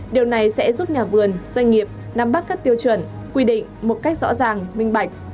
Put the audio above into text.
điều này sẽ giúp nhà vườn doanh nghiệp nắm bắt các tiêu chuẩn quy định một cách rõ ràng minh bạch